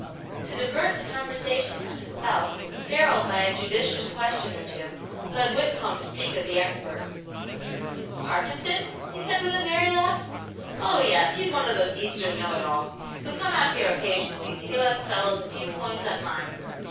To divert the conversation from himself, Darrell, by a judicious question or two, led Whitcomb to speak of the expert. "Parkinson?" he said with a merry laugh. "Oh, yes, he's one of those eastern know it alls who come out here occasionally to give us fellows a few points on mines.